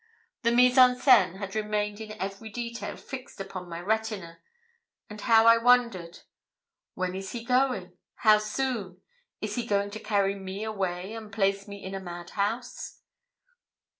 The mise en scène had remained in every detail fixed upon my retina; and how I wondered 'When is he going how soon? Is he going to carry me away and place me in a madhouse?'